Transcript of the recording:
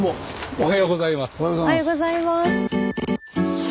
おはようございます。